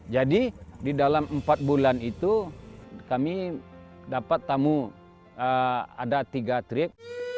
jadi di dalam empat bulan itu kami dapat tamu ada tiga trip